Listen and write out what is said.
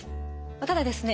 ただですね